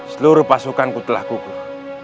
seluruh pasukan ku telah kukuh